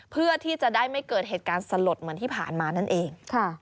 เพื่อที่จะได้ไม่เกิดเหตุการณ์สลดเหมือนที่ผ่านมานั่นเอง